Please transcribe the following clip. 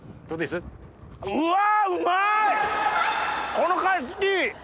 この貝好き！